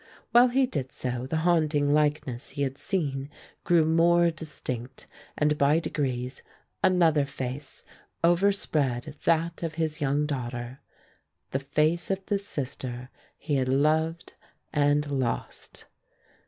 While he did so the haunting likeness he had seen grew more distinct and by degrees another face overspread that of his young daughter, the face of the sister he had loved and lost.